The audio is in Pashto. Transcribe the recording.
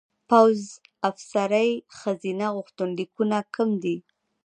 پوځ افسرۍ ښځینه غوښتنلیکونه کم دي.